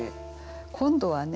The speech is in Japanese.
今度はね